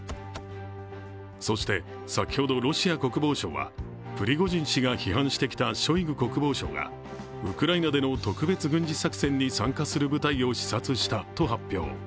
そして、先ほどロシア国防省はプリゴジン氏が批判してきたショイグ国防相がウクライナでの特別軍事作戦に参加する部隊を視察したと発表。